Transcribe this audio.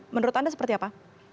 menurut anda seperti apa